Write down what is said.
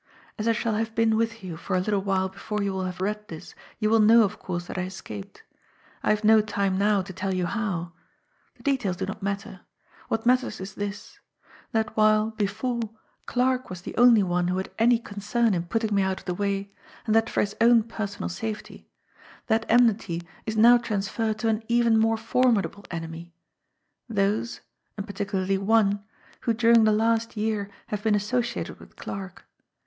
"As I shall have been with you for a little while before you will have read this, you will know of course that I escaped. I have no time now to tell you how. The details do not matter. What matters is this: That while, before, Qarke was the only one \ 16 JIMMIE DALE AND THE PHANTOM CLUE who had any concern in putting me out of the way, and that for his own personal safety, that enmity is now transferred to an even more formidable enemy those, and particularly one, who during the last year have been associated with Clarke.